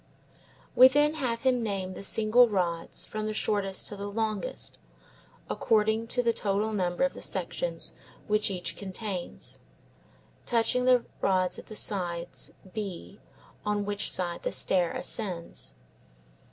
We then have him name the single rods from the shortest to the longest, according to the total number of the sections which each contains, touching the rods at the sides B, on which side the stair ascends.